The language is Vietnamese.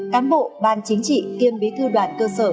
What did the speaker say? cán bộ ban chính trị kiêm bí thư đoàn cơ sở